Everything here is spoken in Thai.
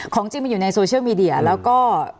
จริงมันอยู่ในโซเชียลมีเดียแล้วก็